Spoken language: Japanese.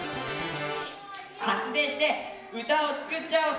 発電して歌を作っちゃおう！